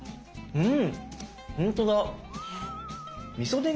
うん。